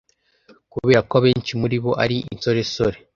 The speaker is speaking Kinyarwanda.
Kubera ko abenshi muri bo ari insoresore